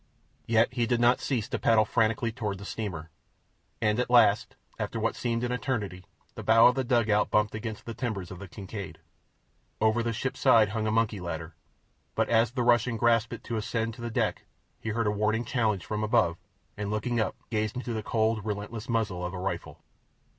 Yet he did not cease to paddle frantically toward the steamer, and at last, after what seemed an eternity, the bow of the dugout bumped against the timbers of the Kincaid. Over the ship's side hung a monkey ladder, but as the Russian grasped it to ascend to the deck he heard a warning challenge from above, and, looking up, gazed into the cold, relentless muzzle of a rifle.